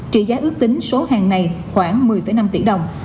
trị giá ước tính số hàng này khoảng một mươi năm tỷ đồng